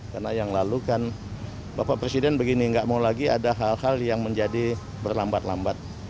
karena yang lalu kan bapak presiden begini gak mau lagi ada hal hal yang menjadi berlambat lambat